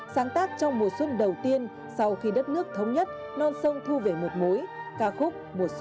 sáng tác trong mùa xuân đầu tiên sau khi đất nước thống nhất non sông thu về một mối ca khúc một số